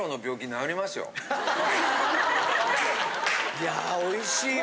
いやおいしいわ。